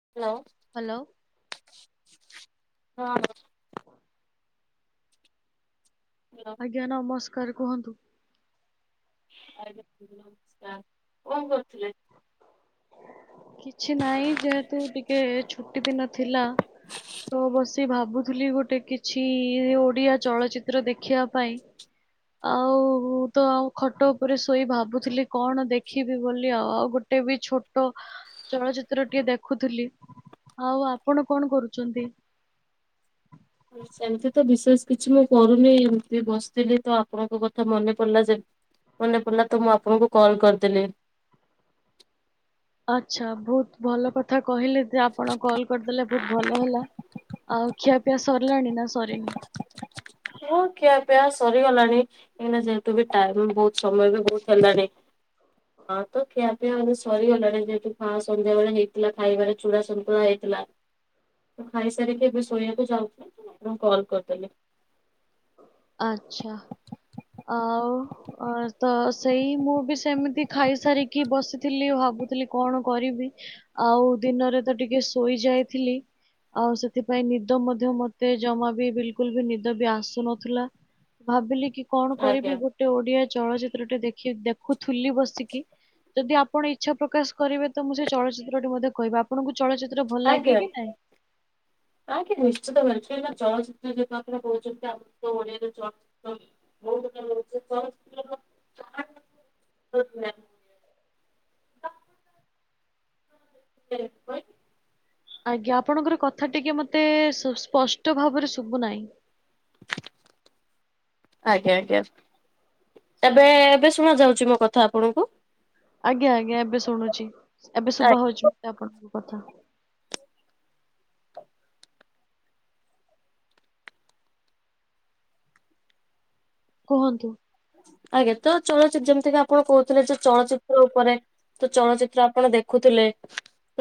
Hello ହଁ ନମସ୍କାର। Hello ଆଜ୍ଞା ନମସ୍କାର। କୁହନ୍ତୁ? କଣ କରୁଥିଲେ? କିଛି ନାହିଁ, ଯେହେତୁ ଟିକେ ଛୁଟି ଦିନ ଥିଲା ତ ବସି ସେ ଭାବୁଥିଲି ଗୋଟେ କିଛି ଓଡିଆ ଚଳଚ୍ଚିତ୍ର ଦେଖିବା ପାଇଁ ଆଉ ମୁଁ ତ ଆଉ ଖଟ ଉପରେ ଶୋଇ ଭାବୁଥିଲି କଣ ଦେଖିବି ବୋଲି ଆଉ ଆଉ ଗୋଟେ ବି ଛୋଟ ଚଳଚ୍ଚିତ୍ର ଟିଏ ଦେଖୁଥିଲି। ଆଉ ଆପଣ କଣ କରୁଚନ୍ତି? [inaudible] ସେମିତି ତ ବିଶେଷ କିଛି ମୁଁ କରୁନି ଏମତି ବସିଥିଲି ତ ଆପଣଙ୍କ କଥା ମନେ ପଡିଲା ଯେମ ମନେ ପଡ଼ିଲା ତ ମୁଁ ଆପଣଙ୍କୁ କଲ କରିଦେଲି। ଆଚ୍ଛା ବହୁତ ଭଲ କଥା କହିଲେ ଯେ, ଆପଣ କଲ କରିଦେଲେ ବହୁତ ଭଲ ହେଲା ଆଉ ଖିଆପିଆ ସରିଲାଣି ନା ସରିନି? ହଁ ଖିଆପିଆ ସରିଗଲାଣି, କାହିଁକିନା ଯେହେତୁ ବି ଟାଇମ ବହୁତ ସମୟ ବି ବହୁତ ହେଲାଣି ହଁ ତ ଖିଆପିଆ ଏବେ ସରିଗଲାଣି ଯେହେତୁ ପା ସନ୍ଧ୍ୟାବେଳେ ହେଇଥିଲା ଖାଇବାରେ ଛୁଡ଼ା ସନ୍ତୁଳା ହେଇଥି ତ ଖାଇସାରିକି ଏବେ ଶୋଇବାକୁ ଯାଉଛି, ଆପଣଙ୍କୁ କଲ୍ କରିଦେଲି। ଆଚ୍ଛା ଆଉ ଅ ତ ସେଇ ମୁଁ ବି ସେମିତି ଖାଇସାରିକି ବସିଥିଲି ଭାବୁଥିଲି କଣ କରିବି ଆଉ ଦିନରେ ତ ଟିକେ ଶୋଇ ଯାଇଥିଲି ଆଉ ସେଥିପାଇଁ ନିଦ ମଧ୍ୟ ମତେ ଜମା ବି ବିଲକୁଲ ବି ନିଦ ବି ଆସୁନଥିଲା ଭାବିଲି କି କଣ ଆଜ୍ଞା କରିବି ଗୋଟେ ଓଡିଆ ଚଳଚ୍ଚିତ୍ର ଟେ ଦେଖି ଦେଖୁଥିଲି ବସିକି ଯଦି ଆପଣ ଇଚ୍ଛା ପ୍ରକାଶ କରିବେ, ତ ମୁଁ ସେ ଚଳଚ୍ଚିତ୍ର ଟି ମଧ୍ୟ କହିବି। ଆପଣଙ୍କୁ ଚଳଚିତ୍ର ଭଲ ଲାଗେ ଆଜ୍ଞା କି ନାଇଁ? ଆଜ୍ଞା ନିଶ୍ଚିତ ମାନେ କାହିଁ ଚଳଚ୍ଚିତ୍ର ଯେହେତୁ ଆପଣ କହୁଛନ୍ତି ଆମ ତ ଓଡିଆର ଚଳଚ୍ଚିତ୍ର ବହୁତ ପ୍ରକାର ରହୁ ଚଳଚ୍ଚିତ୍ର [unintelligible] [unintelligible] ଆଜ୍ଞା ଆପଣଙ୍କର କଥା ଟିକେ ମତେ ସ୍ପ-ସ୍ପଷ୍ଟ ଭାବରେ ଶୁଭୁ ନାହିଁ। [inaudible] ଆଜ୍ଞା ଆଜ୍ଞା। ଏବେ ଏବେ ଶୁଣା ଯାଉଛି ମୋ କଥା ଆପଣଙ୍କୁ? ଆଜ୍ଞା ଆଜ୍ଞା। ଏବେ ଶୁଣୁଛି, ଏବେ ଶୁଭା ହଉଛି ମତେ ଆପଣଙ୍କ କଥା। କୁହନ୍ତୁ? ଆଜ୍ଞା। ତ ଚଳଚ୍ଚିତ ଯେମିତିକ ଆପଣ କହୁଥିଲେ ଯେ ଚଳଚିତ୍ର ଉପରେ ତ ଚଳଚ୍ଚିତ୍ର ଆପଣ ଦେଖୁଥିଲେ,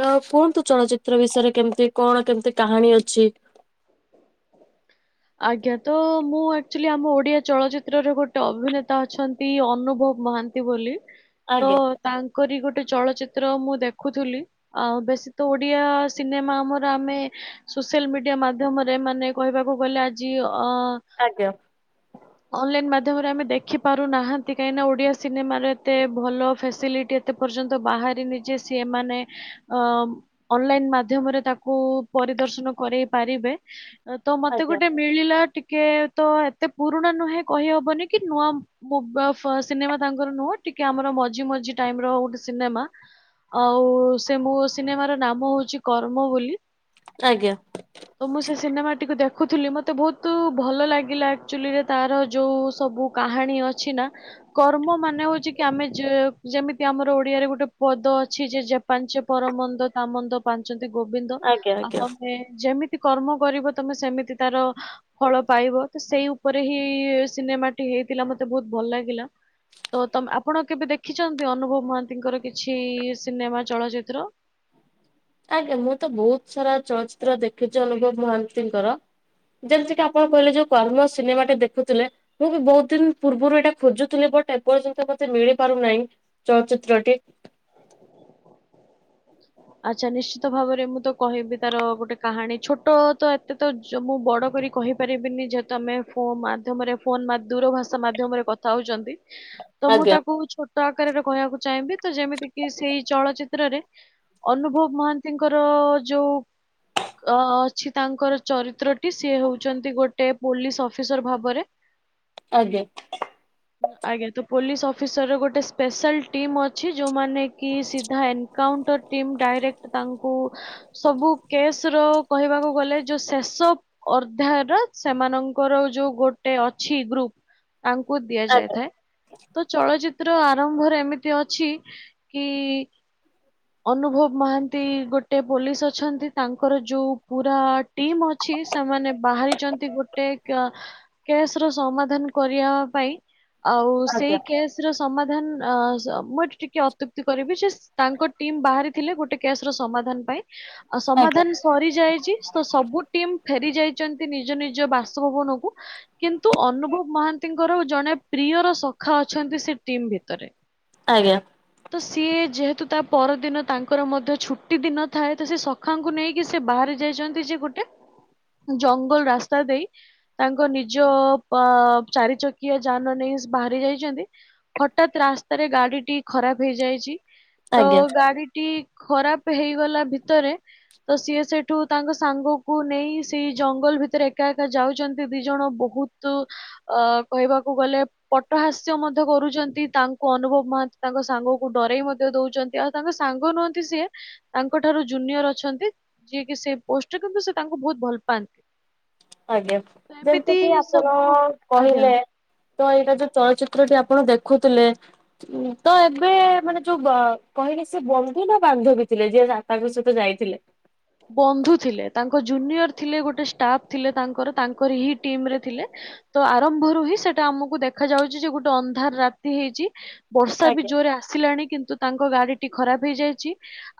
ତ କୁହନ୍ତୁ ଚଳଚ୍ଚିତ୍ର ବିଷୟରେ କେମିତି କଣ କେମିତି କା କାହାଣୀ ଅଛି ଆଜ୍ଞା। ତ ମୁଁ ଆକ୍ଚୁଆଲି ଆମ ଓଡ଼ିଆ ଚଳଚ୍ଚିତ୍ରରେ ଗୋଟେ ଅଭିନେତା ଅଛନ୍ତି ଅନୁଭବ ମହାନ୍ତି ନ୍ତି ବୋଲି ତ ଆଜ୍ଞା ତାଙ୍କରି ଗୋଟେ ଚଳଚ୍ଚିତ୍ର ମୁଁ ଦେଖୁଥିଲି, ଆଉ ବେଶୀ ତ ଓଡିଆ ସିନେମା ଆମର ଆମେ ସୋ ସୋସିଆଲ୍ ମିଡ଼ିଆ ମାଧ୍ୟମରେ ମାନେ କହିବାକୁ ଗଲେ ଆଜି ଆଜ୍ଞା। ଅନଲାଇନ୍ ମାଧ୍ୟମରେ ଆମେ ଦେଖିପାରୁନାହାଁନ୍ତି, କାହିଁକିନା ଓଡିଆ ସିନେମାର ଏତେ ଭଲ ଫ୍ୟାସିଲିଟି ଏତେ ପର୍ଯ୍ୟନ୍ତ ବାହାରିନି ଯେ ସିଏ ମାନେ ଅ ଅନଲାଇନ ମାଧ୍ୟମରେ ତାକୁ ପରିଦର୍ଶନ କରେଇ ପାରିବେ, ତ ମତେ ଆଜ୍ଞା ଗୋଟେ ମିଳିଲା ଟି କେ ତ ଏତେ ପୁରୁଣା ନୁହେଁ କହିହବନି କି ନୂଆ [unintelligible] ସିନେମା ତାଙ୍କର ନୁହଁ ଟିକେ ଆମର ମଝି ମଝି ଟାଇମର ଗୋଟେ ସିନେମା ଆଉ ସେ ମୋ ସିନେମାର ନାମ ହଉଛି କର୍ମ ବୋଲି ଆଜ୍ଞା ଓ ମୁଁ ସେ ସିନେମାଟିକୁ ଦେଖ ଦେଖୁଥିଲି ମୋତେ ବହୁତ ଭଲ ଲାଗିଲା ଆକ୍ଚୁଆଲିରେ ତାର ଯେଉଁ ସବୁ କାହାଣୀ ଅଛି ନା କର୍ମ ମାନେ ହଉଛି କି ଆମେ ଯେ-ଯେମିତି ଆମର ଓଡିଆରେ ଗୋଟେ ପଦ ଅଛି ଯେ ପାଞ୍ଚେ ପର ର ମନ୍ଦ ତା ମନ୍ଦ ପାଞ୍ଚନ୍ତି ଗୋବିନ୍ଦ। ଆଜ୍ଞା ଆଉ ଆଜ୍ଞା। ତମେ ଯେମିତି କର୍ମ କରିବ ତମେ ସେମିତି ତାର ଫଳ ପାଇବ। ତ ସେଇ ଉପରେ ହିଁ ସିନେମାଟି ହେଇଥିଲା ମତେ ବହୁତ ଭଲ ଲାଗିଲା। ତ ତମ ଆପଣ କେବେ ଦେଖିଛନ୍ତି ଅନୁଭବ ମହାନ୍ତିଙ୍କର କିଛି ସିନେମା ଚଳଚିତ୍ର? ଆଜ୍ଞା ମୁଁ ତ ବହୁତ ସାରା ଚଳଚିତ୍ର ଦେଖିଛି ଅନୁଭବ ମହାନ୍ତିଙ୍କର। ଯେମିତି କି ଆପଣ କହିଲେ ଯୋଉ କର୍ମ ସିନେମାଟେ ଦେଖୁଥିଲେ ମୁଁ ବି ବହୁତ ଦିନ ପୂର୍ବରୁ ଏଇଟା ଖୋଜୁଥିଲି ବଟ୍ ଏପର୍ଯ୍ୟନ୍ତ ମତେ ମିଳି ପାରୁନାହିଁ। ଚଳଚିତ୍ରଟି [inaudible] ଆଚ୍ଛା ନିଶ୍ଚିତ ଭାବରେ ମୁଁ ତ କହିବି ତାର ଗୋଟେ କାହାଣୀ ଛୋଟ ତ ଏତେ ତ ମୁଁ ବଡ କରି କହିପାରିବିନି। ଯେହେତୁ ଆମେ ଫୋନ୍ ମାଧ୍ୟମରେ ଫୋନ୍ ଦୂର ଭାଷା ମାଧ୍ୟମରେ କଥା ହେଉଛନ୍ତି। ତ ମୁଁ ଆଜ୍ଞା ତାକୁ ଛୋଟ ଆକାରରେ କହିବାକୁ ଚାହିଁବି। ତ ଯେମିତି କିି ସେଇ ଚଳଚିତ୍ରରେ ଅନୁଭବ ମହାନ୍ତିଙ୍କର ଯୋଉ ଅ ଅଛି ତାଙ୍କର ଚରିତ୍ର ଟି ସିଏ ହଉଛନ୍ତି ଗୋଟେ ପୋଲିସ ଅଫିସର ଭାବରେ ଆଜ୍ଞା। ଆଜ୍ଞା ତ ପୋଲିସ ଅଫିସର ର ଗୋଟେ ସ୍ପେଶାଲ ଟିମ୍ ଅଛି, ଯଉମାନେ କି ସିଧା ଏନ୍ କାଉଣ୍ଟର ଟିମ୍ ଡାଇରେକ୍ଟ ତାଙ୍କୁ ସବୁ କେସ ର କହିବାକୁ ଗଲେ ଯୋଉ ସେ [unintelligible] ସେମାନଙ୍କର ଯୋଉ ଗୋଟେ ଅଛି ଗ୍ରୁପ ତାଙ୍କୁ ଆଜ୍ଞା ଦିଆଯାଇଥାଏ। ତ ଚଳଚିତ୍ର ଆ ଆରମ୍ଭରେ ଏମିତି ଅଛି। କି ଅନୁଭବ ମହାନ୍ତି ଗୋଟେ ପୋଲିସ ଅଛନ୍ତି। ତାଙ୍କର ଯୋଉ ପୁରା ଟିମ ଅଛି ସେମାନେ ବାହାରିଛନ୍ତି ଗୋଟେ କ କେସ ର ସମାଧାନ କରିବା ପାଇଁ। ଆଉ ଆଜ୍ଞା ସେଇ କେସ ର ସମାଧାନ ଅ ମୁଁ ଏଠି ଟିକେ ଅତ୍ୟୁକ୍ତି କରିବି ଯେ ତାଙ୍କ ଟିମ୍ ବାହାରିଥିଲେ ଗୋଟେ କେସ ର ସମାଧାନ ପାଇଁ। ଆ ଆଜ୍ଞା। ସମାଧାନ ସରି ଯାଇଛି। ତ ସବୁ ଟିମ୍ ଫେରି ଯାଇ ନିଜ ନିଜ ବାସଭବନ କୁ। କିନ୍ତୁ ଅନୁଭବ ମହାନ୍ତିଙ୍କର ଜଣେ ପ୍ରିୟର ସ ଖା ଅଛନ୍ତି ସେ ଟିମ୍ ଭିତରେ। ଆଜ୍ଞା। ତ ସିଏ ଯେହେତୁ ତା ପରଦିନ ତାଙ୍କର ମଧ୍ୟ ଛୁଟି ଦିନ ଥାଏ। ତ ସେ ସଖାଙ୍କୁ ନେଇକି ସେ ବାହାରେି ଯାଇଛନ୍ତି ସେ ଗୋଟେ ଜଙ୍ଗଲ ରାସ୍ତା ଦେଇ, ତାଙ୍କ ନିଜ ଚାରି ଚକିଆ ଯାନ ନେଇ। ବାହାରି ଯାଇଛନ୍ତି। ହଠାତ୍ ରାସ୍ତାରେ ଗାଡିଟି ଖରାପ ହେଇଯାଇଛି। ତ ଆଜ୍ଞା ଗାଡିଟି ଖରାପ ହେଇଗଲା ଭିତରେ ତ ସିଏ ସେଠୁ ତାଙ୍କ ସାଙ୍ଗକୁ ନେଇ ସେଇ ଜଙ୍ଗଲ ଭିତରେ ଏକା ଏକା ଯାଉଛନ୍ତି ଦି ଜଣ ବହୁତ ଅ କହିବାକୁ ଗଲେ ପଟହାସ୍ୟ ମଧ୍ୟ କରୁଛନ୍ତି ତାଙ୍କୁ ଅନୁଭବ ମହାନ୍ତି ତାଙ୍କ ସାଙ୍ଗକୁ ଡରାଇ ମଧ୍ୟ ଦଉଛ ଆଉ ତାଙ୍କ ସାଙ୍ଗ ନୁହନ୍ତି ସିଏ ତାଙ୍କ ଠାରୁ ଜୁନିୟର ଅଛନ୍ତି ଯିଏ କି ସେ ପୋଷ୍ଟରେ କିନ୍ତୁ ସେ ତାଙ୍କୁ ବହୁତ ଭଲ ପାଆନ୍ତି। [inaudible] ଆଜ୍ଞା। ତ ଯେମିତି ଏମିତି କିି ଆପଣ ସବୁ ଆଜ୍ଞା କହିଲେ ତ ଏଇଟା ଯୋଉ ଚଳଚି ତ୍ରଟି ଆପଣ ଦେଖୁଥିଲେ, ତ ଏବେ ମାନେ ଯୋଉ କହିଲେ ସେ ବନ୍ଧୁ ନା ବା ବାନ୍ଧବୀ ଥିଲେ? ଯିଏ ତା ତାଙ୍କ ସହିତ ଯାଇଥିଲେ। ବନ୍ଧୁ ଥିଲେ। ତାଙ୍କ ଜୁନିୟର ଥିଲେ ଗୋଟେ ଷ୍ଟାଫ ଥିଲେ ତାଙ୍କର ତାଙ୍କର ହି ଟିମ ରେ ଥିଲେ। ତ ଆରମ୍ଭରୁ ହିଁ ସେଟା ଆମକୁ ଦେଖା ଯାଉଛି ଯେ ଗୋଟେ ଅନ୍ଧାର ରାତି ହେଇଚି ବର୍ଷା ବି ଆଜ୍ଞା ଜୋରେ ଆସିଲାଣି କିନ୍ତୁ ତାଙ୍କ ଗାଡି ଟି ଖରାପ ହେଇଯାଇଛି।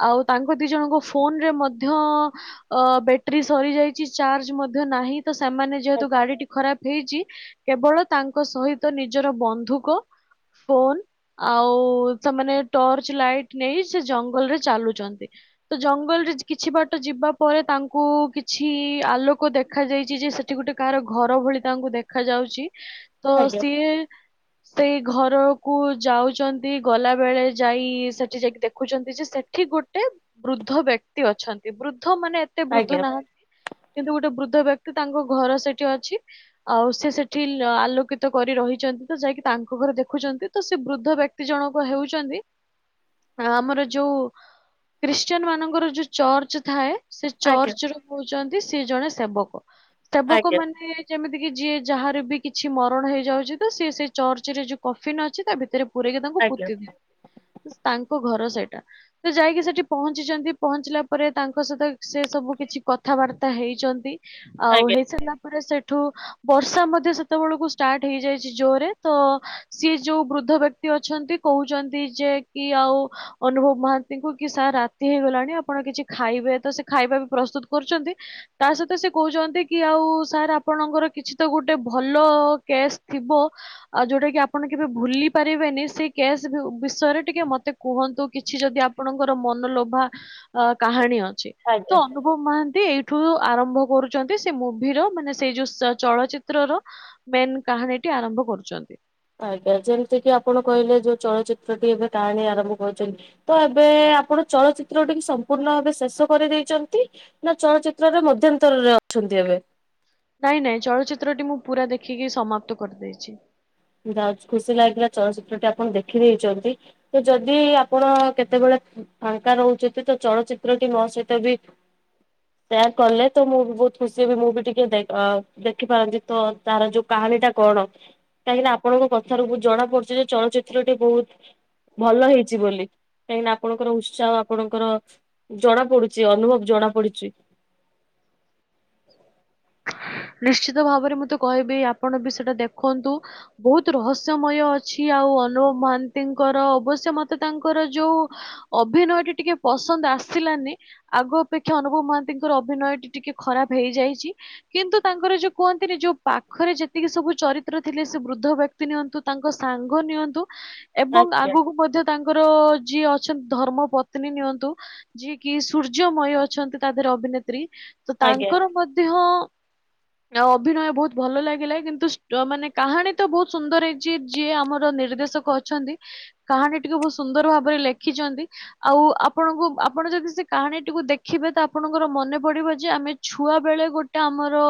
ଆଉ ତାଙ୍କ ଦି ଜଣଙ୍କ ଫୋନ ରେ ମ ମଧ୍ୟ ବ୍ୟାଟେରୀ ସରିଯାଇଛି ଚାର୍ଜ ମଧ୍ୟ ନାହିଁ। ତ ସେମାନେ ଯେହେତୁ ଆଜ୍ଞା ଗାଡିଟି ଖରାପ ହେଇଛି କେବଳ ତାଙ୍କ ସହିତ ନିଜର ବନ୍ଧୁକ ଫୋନ ଆଉ ସେମାନେ ଟର୍ଚ ଲାଇଟ ନେଇ ସେ ଜଙ୍ଗଲରେ ଚାଲୁଛନ୍ତି। ତ ଜଙ୍ଗଲରେ କିଛି ବାଟ ଯିବା ପରେ ତାଙ୍କୁ କିଛି ଆଲୋକ ଦେଖା ଯାଇଛି ଯେ ସେଠି ଗୋଟେ କାହାର ଘର ଭଳି ତାଙ୍କୁ ଦେଖ ଯାଉଛି। ତ ଆଜ୍ଞା ସିଏ ସେଇ ଘରକୁ ଯାଉଚନ୍ତି ଗଲା ବେଳେ ଯାଇ ସେଠି ଯାଇ ଦେଖୁଛନ୍ତି ଯେ ସେଠି ଗୋଟେ ବୃଦ୍ଧ ବ୍ୟ ଅଛନ୍ତି ବୃଦ୍ଧ ମାନେ ଏତେ ବୃଦ୍ଧ ଆଜ୍ଞା ନାହାନ୍ତି କିନ୍ତୁ ଗୋଟେ ବୃଦ୍ଧ ବ୍ୟ ତାଙ୍କ ଘର ସେଠି ଅଛି ଆଉ ସେ ସେଠି ଆଲୋକିତ କରି ରହିଛନ୍ତି ତ ଯାଇକି ତାଙ୍କ ଦେଖୁଛନ୍ତି ତ ସେ ବୃଦ୍ଧ ବ୍ୟକ୍ତି ଜଣକ ହେଉଚନ୍ତି ଆ ଆମର ଯୋଉ ଖ୍ରୀଷ୍ଟିୟାନ ମାନଙ୍କର ଯୋଉ ଚର୍ଚ୍ଚ ଥାଏ ସେ ଆଜ୍ଞା ଚର୍ଚ୍ଚରେ ହଉଛନ୍ତି ସିଏ ଜଣେ ସେବକ। ସେବକ ଆଜ୍ଞା। ମାନେ ଯେମି ଯିଏ ଯାହାର ବି କିଛି ମରଣ ହେଇଯାଉଛି ତ ସିଏ ସେଇ ଚର୍ଚ୍ଚ ରେ ଯୋଉ କଫିନ ଅଛି ତା ଭିତରେ ପୁରେଇକି ତାଙ୍କୁ ଆଜ୍ଞା ପୋତି ଦି ତାଙ୍କ ଘର ସେଇଟା ତ ଯାଇକି ସେଠି ପହଞ୍ଚିଛନ୍ତି ପହଞ୍ଚିଲା ପରେ ତାଙ୍କ ସହିତ ସେ ସବୁ କିଛି କଥାବାର୍ତ୍ତା ହେଇଛନ୍ତି ଆଉ ଆଜ୍ଞା ହେଇସାରିଲା ସେଠୁ ବର୍ଷା ମଧ୍ୟ ସେତେବେଳକୁ ଷ୍ଟାର୍ଟ ହେଇଯାଇଛି ଜୋରରେ ତ ସିଏ ଯୋଉ ବୃ ଦ୍ଧ ବ୍ୟକ୍ତି ଅଛନ୍ତି କହୁଛନ୍ତି ଯେ କି ଆଉ ଅନୁଭବ ମହାନ୍ତିଙ୍କୁ କି ସାର୍ ରାତି ହେଇଗଲାଣି ଆପଣ କିଛି ଖାଇବେ ତ ସେ ଖାଇବା ବି ପ୍ରସ୍ତୁତ କରୁଛନ୍ତି ତା ସହିତ ସେ କହୁଛନ୍ତି କି ଆଉ ସାର୍ ଆପଣଙ୍କର କିଛି ତ ଗୋଟେ ଭଲ କେସ୍ ଥିବ ଆ ଯୋଉଟା କି ଆପଣ କେବେ ଭୁଲି ପାରିବେନି ସେଇ କେସ୍ ବିଷୟରେ ଟିକେ ମତେ କୁହନ୍ତୁ କିଛି ଯଦି ଆପଣଙ୍କର ମନଲୋଭା କାହାଣୀ ଅଛି ଆଜ୍ଞା ତ ଅନୁଭବ ମହାନ୍ତି ଠୁ ଆରମ୍ଭ କରୁଛନ୍ତି ସେ ମୁଭିର ମାନେ ସେଇ ଯୋଉ ଚଳଚିତ୍ରର ମେନ୍ କାହାଣୀଟି ଆରମ୍ଭ କରୁଛନ୍ତି। ଆଜ୍ଞା ଯେମିତି କି ଆପଣ କହିଲେ ଯୋଉ ଚଳଚିତ୍ର ଟି ଏବେ କାହାଣୀ ଆରମ୍ଭ କରୁଛନ୍ତି ତ ଏବେ ଆପଣ ଚଳଚିତ୍ର ଟେ ସମ୍ପୂର୍ଣ୍ଣ ଭାବେ ଶେଷ କରିଦେଇଛନ୍ତି ନା ଚଳଚିତ୍ରରେ ମଧ୍ୟନ୍ତରରେ ଅ [unintelligible] ନାଇଁ ନାଇଁ ଚଳଚିତ୍ରଟି ମୁଁ ପୁରା ଦେଖିକି ସମାପ୍ତ କରିଦେଇଛି। ଯାହଉ ଖୁସି ଲାଗିଲା ଚଳଚିତ୍ରଟି ଆପଣ ଦେଖିଦେଇଛନ୍ତି ତ ଯଦି ଆପଣ କେତେବେଳେ ଫାଙ୍କା ରହୁଛନ୍ତି ତ ଚଳଚିତ୍ର କି ମୋ ସହିତ ବି ସେୟାର କଲେ ତ ମୁଁ ବି ବହୁତ ଖୁସି ହେବି ମୁଁ ବି ଟିକେ ଦେଖିପାରନ୍ତି ତ ତାର ଯୋଉ କାହା ଣୀ ଟା କଣ କାହିଁକିନା ଆପଣଙ୍କ କଥାରୁ ଜଣା ପଡୁଛି ଯେ ଚଳଚିତ୍ର ଟି ବହୁତ୍ ଭଲ ହେଇଛି ବୋଲି କାହିଁକି ନା ଆପଣଙ୍କର ଉତ୍ସାହ ଆପଣଙ୍କର ଜଣା ପଡୁଛି ଅନୁଭବ ଜ ଜଣା ପଡ଼ିଛି। ନିଶ୍ଚିତ ଭାବରେ ମୁଁ ତ କହିବି ଆପଣ ବି ସେଇଟା ଦେଖନ୍ତୁ ବହୁତ୍ ରହସ୍ୟମୟ ଅଛି। ଆଉ ଅନୁଭ ମହାନ୍ତିଙ୍କର ଅବଶ୍ୟ ମତେ ତାଙ୍କର ଯୋଉ ଅଭିନୟ ଟି ଟିକେ ପସନ୍ଦ ଆ ଆସିଲାନି ଆଗ ଅପେକ୍ଷା ଅନୁଭବ ମହାନ୍ତିଙ୍କର ଅଭିନୟ ଟି ଟିକେ ଖରାପ ହେଇଯାଇଛି। କିନ୍ତୁ ତାଙ୍କର ଯୋଉ କୁହନ୍ତିନି ଯୋଉ ପାଖରେ ଯେତିକି ସବୁ ଚରିତ୍ର ଥିଲେ ସେ ବୃଦ୍ଧ ବ୍ୟକ୍ତି ନିଅନ୍ତୁ ତାଙ୍କ ସାଙ୍ଗ ନିଅନ୍ତୁ। ଏବଂ ଆଜ୍ଞା ଆଗକୁ ମଧ୍ୟ ତାଙ୍କର ଯିଏ ଧର୍ମ ପତ୍ନୀ ନିଅନ୍ତୁ ଯିଏ କି ସୂର୍ଯ୍ୟମୟୀ ଅଛନ୍ତି ତା ଦେହରେ ଅଭିନେତ୍ରୀ। ତ ଆଜ୍ଞା ତାଙ୍କର ମଧ୍ୟ [inaudible] ଆ ଅଭିନୟ ବହୁତ ଭଲ ଲାଗିଲା କିନ୍ତୁ ମାନେ କାହାଣୀ ତ ବହୁତ୍ ସୁନ୍ଦର ହେଇଛି ଯିଏ ଆମର ନିର୍ଦ୍ଦେ କ ଅଛନ୍ତି କାହାଣୀଟିକୁ ବହୁତ୍ ସୁନ୍ଦର ଭାବରେ ଲେଖିଛନ୍ତି ଆଉ ଆପଣଙ୍କୁ ଆପଣ ଯ ସେ କାହାଣୀଟିକୁ ଦେଖିବେ ତ ଆପଣଙ୍କର ମନେ ପଡ଼ିବ ଯେ ଆମେ ଛୁଆ ବେଳେ ଗୋଟେ ଆମ ର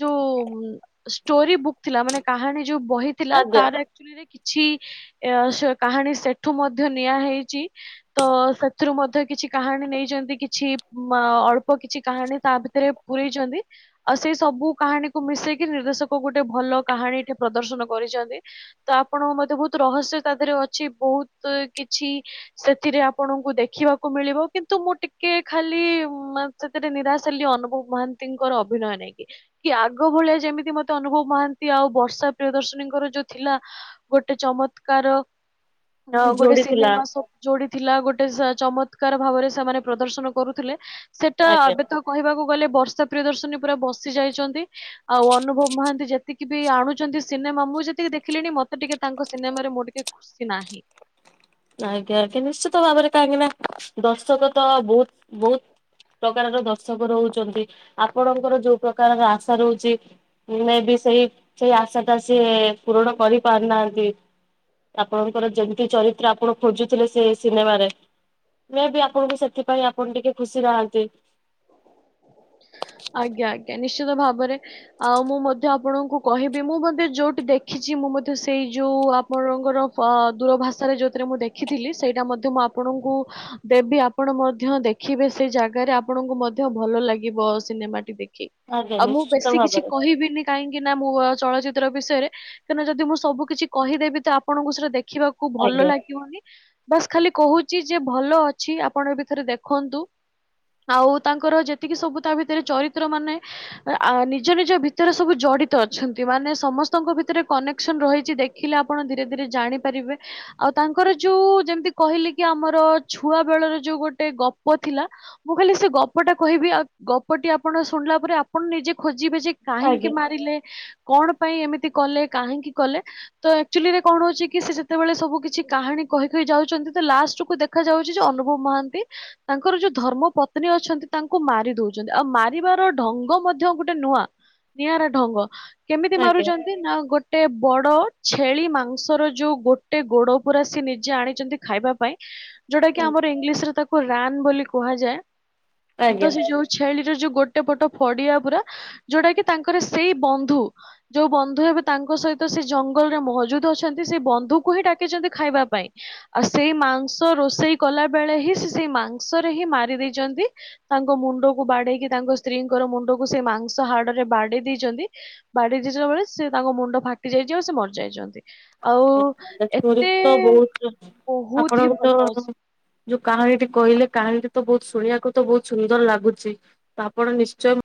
ଯୋଉ ଷ୍ଟୋରି ବୁକ୍ ଥିଲା ମାନେ କାହାଣୀ ଯୋଉ ବହି ଥିଲା ଆଜ୍ଞା ତାର ଆକଚ୍ୟୁଲି କିଛି କାହାଣୀ ସେଠୁ ମଧ୍ୟ ନିଆ ହେଇଛି ତ ସେଥିରୁ ମଧ୍ୟ କିଛି କିଛି କାହାଣୀ ନେଇଛନ୍ତି କିଛି ଅଳ୍ପ କିଛି କାହାଣୀ ତା ଭିତରେ ପୁରେଇଛନ୍ତି। ଆଉ ସେଇ ସବୁ କାହାଣୀକୁ ମିଶେଇକି ନିର୍ଦ୍ଦେଶକ ଗୋଟେ ଭଲ କାହାଣୀ ଏଠି ପ୍ରଦର୍ଶନ କରିଛନ୍ତି ତ ଆପଣଙ୍କ ମଧ୍ୟ ବହୁତ୍ ରହସ୍ୟ ତା ଦେହରେ ଅଛି ବହୁତ୍ କିଛି ସେଥିରେ ଆପଣଙ୍କୁ ଦେଖିବାକୁ ମିଳିବ କିନ୍ତୁ ମୁଁ ଟିକେ ଖାଲି ସେଥିରେ ନିରାଶ ହେଲି ଅନୁଭବ ମହାନ୍ତିଙ୍କର ଅ ଅଭିନୟ ନାଇଁ କି କି ଆଗ ଭଳିଆ ଯେମିତି ମତେ ଅନୁଭବ ମହାନ୍ତି ଆଉ ବର୍ଷା ପ୍ରିୟଦର୍ଶନୀଙ୍କର ଯୋଉ ଥିଲା। ଗୋଟେ ଚମତ୍କାର। ହ ଗୋଟେ ଯୋଡିଥିଲା ସିନେମା ସବୁ ଯୋଡି ଥିଲା ଗୋଟେ ଚମକ ଚକାର ଭାବରେ ସେମାନେ ପ୍ରଦର୍ଶନ କରୁଥିଲେ ସେଟା ଆଜ୍ଞା ଏବେ ତ କହିବାକୁ ଗଲେ ବର୍ଷା ପ୍ରୟଦର୍ଶନୀ ପୁରା ବସି ଯାଇଛନ୍ତି ଆଉ ଅନୁଭବ ମହାନ୍ତି ଯେତିକି ବି ଆଣୁଛନ୍ତି ସିନେମା ମୁଁ ଯେତିକି ଦେଖିଲିଣି ମ ମତେ ଟିକେ ତାଙ୍କ ସିନେମାରେ ମୁଁ ଟିକେ ଖୁସି ନାହିଁ। ଆଜ୍ଞା ଆଜ୍ଞା ନିଶ୍ଚିତ ଭାବରେ କାହିଁକି ନା ଦର୍ଶକ ତ ବହୁତ ବହୁତ। ପ୍ରକାରର ଦର୍ଶକ ରହୁଛନ୍ତି ଆପଣଙ୍କର ଯୋଉ ପ୍ରକାରର ଆଶା ରହୁଚି ମେବି ସେଇ ସେଇ ଆଶା ଟା ସିଏ ପୂରଣ କରି ପାରୁନାହାନ୍ତି। ଆପଣଙ୍କର ଯେମିତି ଚରିତ୍ର ଆପଣ ଖୋଜୁଥିଲେ ସେ ସିନେମାରେ ମେବି ଆପଣଙ୍କୁ ସେଥିପାଇଁ ଆପଣ ଟିକେ ଖୁସି ନାହାନ୍ତି। ଆଜ୍ଞା ଆଜ୍ଞା। ନିଶ୍ଚିତ ଭାବରେ ଆଉ ମୁଁ ମଧ୍ୟ ଆପଣଙ୍କୁ କହିବି ମୁଁ ମଧ୍ୟ ଯୋଉଠି ଦେଖିଛି ମୁଁ ମଧ୍ୟ ସେଇ ଯୋଉ ଆପଣଙ୍କର ଦୂର ଭାଷାରେ ଯୋଉଥିରେ ମୁଁ ଦେଖିଥିଲି ସେଇଟା ମଧ୍ୟ ମୁଁ ଆପଣଙ୍କୁ ଦେବୀ ଆପଣ ମଧ୍ୟ ଦେଖିବେ ସେଇ ଜାଗାରେ ଆପଣଙ୍କୁ ମ ଧ୍ୟ ଭଲ ଲାଗିବ ସିନେମା ଟି ଦେଖି ଆଜ୍ଞା ଆଉ ମୁଁ ନିଶ୍ଚିତ ବେଶୀ କିଛି ଭାବରେ କହିବିନି କାହିଁକି ନା ମୁଁ ଚଳଚିତ୍ର ବିଷୟରେ କାହିଁକି ନା ଯଦି ମୁଁ ସବୁ କିଛି କହିଦେବି ତ ଆପଣଙ୍କୁ ସେଇଟା ଦେଖ ଦେଖିବାକୁ ଭଲ ଆଜ୍ଞା ଲାଗିବନି ବାସ୍ ଖାଲି କହୁଛି ଯେ ଭଲ ଅଛି ଆପଣ ଏବେ ଥରେ ଦେଖନ୍ତୁ ଆଉ ତାଙ୍କର ଯେତିକି ସବୁ ତା ଭିତରେ ଚରିତ୍ର ମାନେ ନିଜ ନିଜ ଭିତରେ ସବୁ ଜଡିତ ଅଛନ୍ତି। ମାନେ ସମସ୍ତଙ୍କ ଭିତରେ କନେକସନ ରହିଛି ଦେଖିଲେ ଆପଣ ଧୀରେ ଧୀରେ ଜାଣି ପାରିବେ ଆଉ ତାଙ୍କର। ଆଉ ଯେମତି କହିଲି କି ଆମର ଛୁଆ ବେଳର ଯୋଉ ଗୋଟେ ଗପ ଥିଲା ମୁଁ ଖାଲି ସେ ଗ ପଟା କହିବି ଆଉ ଗପଟି ଆପଣ ଶୁଣିଲା ପରେ ଆପଣ ନିଜେ ଖୋ ଯିବେ ଯେ କାହିଁକି ଆଜ୍ଞା ମାରିଲେ କଣ ପାଇଁ ଏମିତି କଲେ କାହିଁକି କଲେ ତ ଆକଚୁଆଲିରେ କଣ ହଉଛି ଯେତେବେଳେ ସବୁ କିଛି କାହାଣୀ କହି କହି ଯାଉଛନ୍ତି ତ ଲାଷ୍ଟକୁ ଦେଖାଯାଉଛି ଯେ ଅନୁଭବ ମହାନ୍ତି ତାଙ୍କର ଯୋଉ ଧର୍ମ ପତ୍ନୀ ଅଛନ୍ତି ତାଙ୍କୁ ମାରି ଦଉଛନ୍ତି ଆଉ ମାରିବାର ଢଙ୍ଗ ମଧ୍ୟ ଗୋଟେ ନୂଆ ନିଆରା ଢଙ୍ଗ। କେମିତି ଆଜ୍ଞା ମାରୁଛନ୍ତି ନା ଗୋଟେ ବ ଡ଼ ଛେଳି ମାଂସର ଯୋଉ ଗୋଟେ ଗୋଡ ପୁରା ସେ ନିଜେ ଆଣିଛନ୍ତି ଖାଇବା ପାଇଁ ଯୋଉଟା କି ଆଜ୍ଞା ଆମର ଇଂଲିଶରେ ତାକୁ ରାନ୍ ବୋଲି କୁହାଯାଏତ ଆଜ୍ଞା ସେ ଯୋଉ ଛେଳି ଯୋଉ ଗୋଟେ ପଟ ଫଡିଆ ପୁରା ଯୋଉଟା କି ତାଙ୍କର ସେଇ ବନ୍ଧୁ ଯୋଉ ବନ୍ଧୁ ଏବେ ତା ଙ୍କ ସହିତ ସେ ଜଙ୍ଗଲରେ ମହଜୁଦ ଅଛନ୍ତି ସେ ବନ୍ଧୁକୁ ହିଁ ଡାକିଛନ୍ତି ଖାଇବା ପାଇଁ ଆଉ ସେଇ ମାଂ ମାଂସ ରୋଷେଇ କଲା ବେଳେ ହିଁ ସେ ସେଇ ମାଂସରେ ହିଁ ମାରି ଦେଇଚନ୍ତି। ତାଙ୍କ ମୁଣ୍ଡକୁ ବାଡେଇକି ତାଙ୍କ ସ୍ତ୍ରୀଙ୍କର ମୁଣ୍ଡକୁ ସେ ମାଂସ ହାଡରେ ବାଡେଇ ଦେଇଛନ୍ତି ବାଡି ଚି ସବୁବେଳେ ସେ ତାଙ୍କ ମୁଣ୍ଡ ଫାଟି ଯାଇଚି ଆଉ ସେ ମରିଯାଇଛନ୍ତି। ଆଉ ଆଞ ଷ୍ଟୋ ଏତେ ତ ବହୁତ ବହୁତ ହି ଆପଣଙ୍କ ଭଲ ତ ଅଛି [inaudible] ଯୋଉ କାହାଣୀଟି କହିଲେ କାହାଣୀ ତ ବହୁତ ଶୁଣିବାକୁ ତ ବହୁତ ସୁନ୍ଦର ଲାଗୁଛି ତ ଆପଣ ନିଶ୍ଚୟ